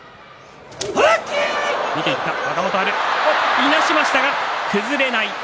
いなしましたが崩れない。